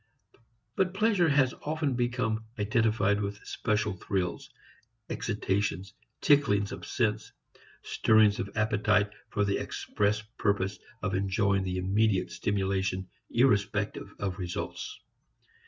But pleasure has often become identified with special thrills, excitations, ticklings of sense, stirrings of appetite for the express purpose of enjoying the immediate stimulation irrespective of results.